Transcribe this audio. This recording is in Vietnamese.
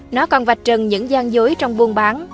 nó còn vạch trần những gian dối trong buôn bán